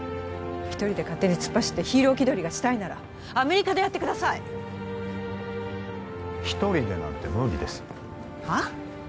一人で勝手に突っ走ってヒーロー気取りがしたいならアメリカでやってください一人でなんて無理ですはあ？